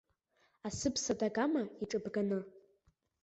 Асыԥса дагама иҿыбганы?